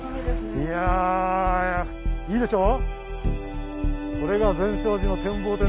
いやいいでしょう？